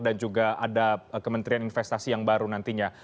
dan juga ada kementerian investasi yang baru nantinya